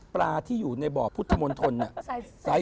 ปลาที่อยู่ในเบาพุทธมณฑฐนอ่ะใส่